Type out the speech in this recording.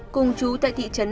cùng chú tại thị trấn nam định